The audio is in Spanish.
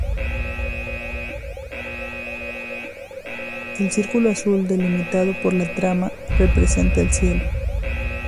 El círculo azul delimitado por la trama representa el cielo.